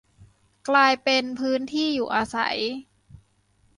กลายเป็นพื้นที่อยู่อาศัย